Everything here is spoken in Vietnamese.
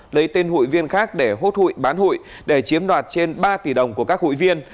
lấy tên hụi viên khác để hốt hụi bán hụi để chiếm đoạt trên ba tỷ đồng của các hụi viên